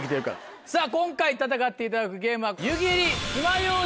今回戦っていただくゲームは。